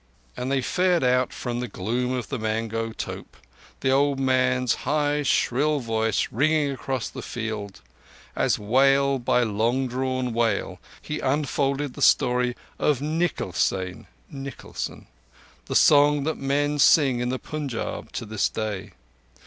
And they fared out from the gloom of the mango tope, the old man's high, shrill voice ringing across the field, as wail by long drawn wail he unfolded the story of Nikal Seyn [Nicholson]—the song that men sing in the Punjab to this day.